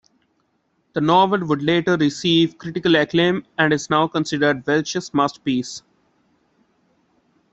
The novel would later receive critical acclaim, and is now considered Welsh's masterpiece.